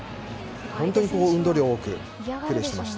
本当に運動量多くプレーしていました。